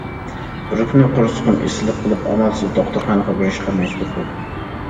بىر كۈنى قورسىقىم ئېسىلىپ قېلىپ، ئامالسىز دوختۇرخانىغا بېرىشقا مەجبۇر بولدۇم.